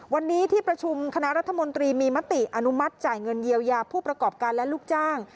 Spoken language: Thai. วันนี้ที่ประชุมคณะรัฐมนตรีมีมติอนุมัติจ่ายเงินเยียวยาผู้ประกอบการและลูกจ้าง